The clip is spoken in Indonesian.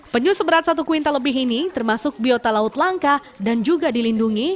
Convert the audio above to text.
penyu seberat satu kuintal lebih ini termasuk biota laut langka dan juga dilindungi